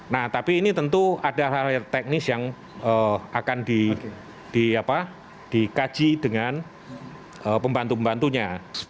nah tapi ini tentu ada hal hal teknis yang akan dikaji dengan pembantu pembantunya